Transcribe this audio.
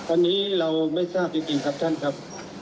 อันนี้เราไม่ทราบจริงครับท่านครับ